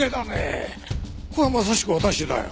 これはまさしく私だよ。